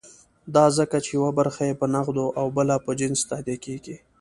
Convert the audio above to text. دا ځکه چې یوه برخه یې په نغدو او بله په جنس تادیه کېږي.